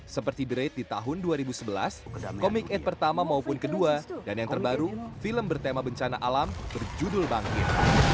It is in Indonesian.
seperti the rate di tahun dua ribu sebelas comic ad pertama maupun kedua dan yang terbaru film bertema bencana alam berjudul bangkit